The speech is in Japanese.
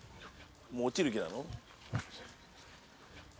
もう落ちる気なの？